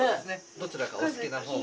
どちらかお好きな方を。